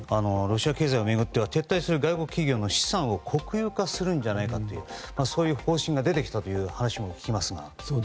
ロシア経済を巡っては撤退する外国企業の資産を国有化するんじゃないかというそういう方針が出てきたという話も聞きますが。